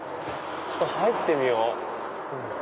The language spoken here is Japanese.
入ってみよう。